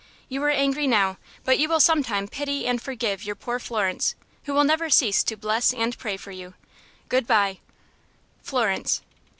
You are angry now, but you will some time pity and forgive your poor Florence, who will never cease to bless and pray for you. Good bye! "Florence."